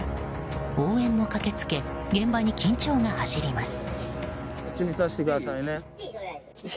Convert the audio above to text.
応援も駆けつけ現場に緊張が走ります。